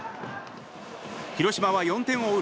広島は４点を追う